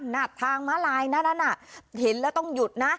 น่ะทางมาลายน่ะน่ะน่ะเห็นแล้วต้องหยุดน่ะ